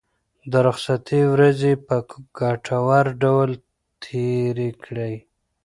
د رخصتۍ ورځې په ګټور ډول تېرې کړئ.